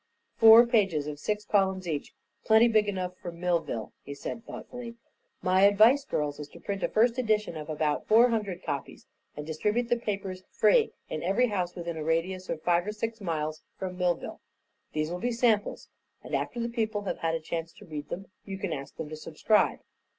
"Four pages of six columns each. Plenty big enough for Millville," he said, thoughtfully. "My advice, girls, is to print a first edition of about four hundred copies and distribute the papers free in every house within a radius of five or six miles from Millville. These will be samples, and after the people have had a chance to read them you can ask them to subscribe.